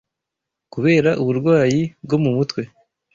kubera uburwayi bwo mu mutwe